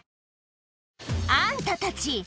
「あんたたち！